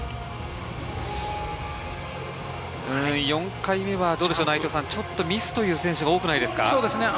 ４回目はどうでしょうか、ミスという選手が多くないですか？